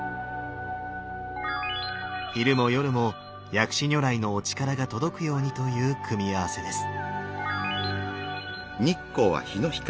昼も夜も薬師如来のお力が届くようにという組み合わせです。